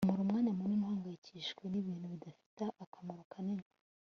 umara umwanya munini uhangayikishijwe nibintu bidafite akamaro kanini